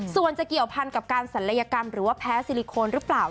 ส่วนจะเกี่ยวพันกับการศัลยกรรมหรือว่าแพ้ซิลิโคนหรือเปล่า